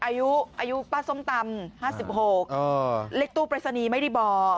อายุป้าส้มตำ๕๖เลขตู้ปริศนีย์ไม่ได้บอก